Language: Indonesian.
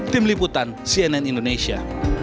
tim liputan cnn indonesia